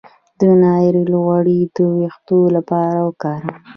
د ناریل غوړي د ویښتو لپاره وکاروئ